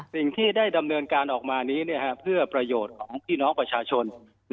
สิ่งที่ได้ดำเนินการออกมานี้เพื่อประโยชน์ของพี่น้องประชาชน